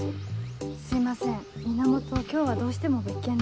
すいません源今日はどうしても別件で。